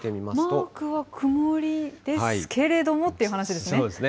マークは曇りですけれどもっていう話ですね。